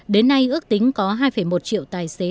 đến nay ước tính có hai một triệu tài xế